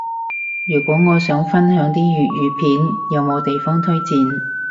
如果我想分享啲粵語片，有冇地方推薦？